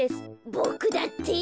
ボクだって！